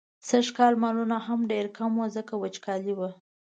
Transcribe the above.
سږکال مالونه هم ډېر کم وو، ځکه وچکالي وه.